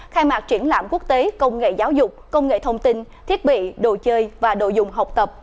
khai mạc triển lãm quốc tế công nghệ giáo dục công nghệ thông tin thiết bị đồ chơi và đồ dùng học tập